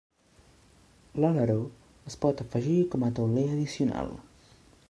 L'aleró es pot afegir com a tauler addicional.